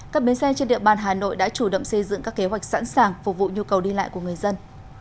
các bến xe trên địa bàn hà nội đã chủ động xây dựng các kế hoạch sẵn sàng phục vụ nhu cầu đi lại của người dân